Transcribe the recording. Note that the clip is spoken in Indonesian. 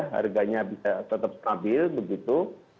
harganya tetap stabil begitu